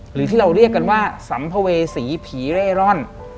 หรือที่เราเรียกกันว่าสัมภเวษีผีเร่ร่อน